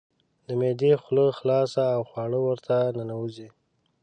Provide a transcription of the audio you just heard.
د معدې خوله خلاصه او خواړه ورته ننوزي.